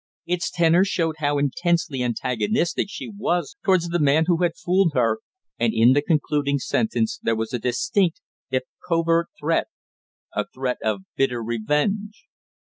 Its tenor showed how intensely antagonistic she was towards the man who had fooled her, and in the concluding sentence there was a distinct if covert threat a threat of bitter revenge.